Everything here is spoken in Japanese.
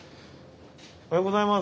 おはようございます。